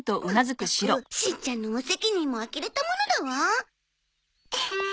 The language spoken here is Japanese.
まったくしんちゃんの無責任もあきれたものだわ。